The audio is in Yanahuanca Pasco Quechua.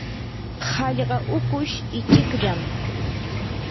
hallqa hukush ichikllam.